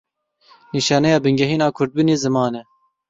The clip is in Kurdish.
Nîşaneya bingehîn a kurdbûnê ziman e.